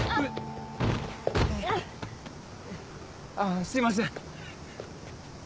あすいません。